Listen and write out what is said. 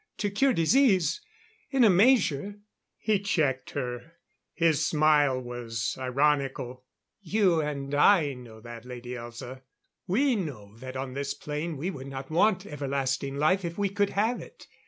To cure disease, in a measure " He checked her; his smile was ironical. "You and I know that, Lady Elza. We know that on this plane we would not want everlasting life if we could have it.